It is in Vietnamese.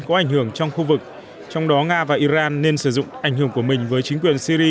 có ảnh hưởng trong khu vực trong đó nga và iran nên sử dụng ảnh hưởng của mình với chính quyền syri